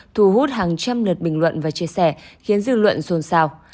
thu hút hàng trăm lượt bình luận và chia sẻ khiến dư luận xôn xao